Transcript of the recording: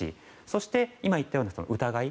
そして、今言ったような疑い。